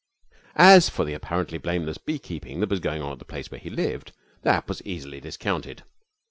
As for the apparently blameless beekeeping that was going on at the place where he lived, that was easily discounted.